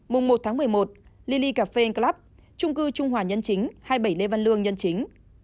mùng một tháng một mươi một lily cafe club trung cư trung hoà nhân chính hai mươi bảy lê văn lương nhân chính